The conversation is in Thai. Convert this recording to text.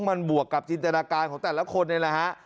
มันบวกกับจินตนาการของแต่ละคนนี่แหละฮะ